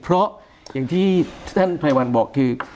เพราะอย่างที่ท่านภัยวันบอกคือ